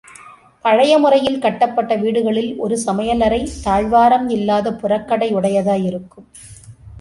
பழைய முறையில் கட்டப்பட்ட வீடுகளில் ஒரு சமையல் அறை, தாழ்வாரம் இல்லாத புறக்கடை உடையதாய் இருக்கும்.